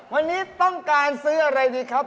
วันนี้ต้องการซื้ออะไรดีครับ